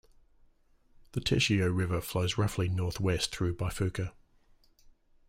The Teshio River flows roughly northwest through Bifuka.